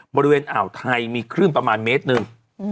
บริเวณอ่าวไทยมีคลื่นประมาณเมตรหนึ่ง